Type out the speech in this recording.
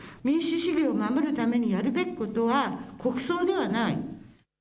民主主義を守るためにやるべきことは、国葬ではない。